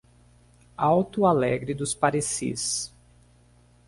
Alto Alegre dos Parecis